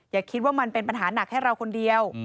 อย่าคิดว่ามันเป็นปัญหาหนักให้เราคนเดียว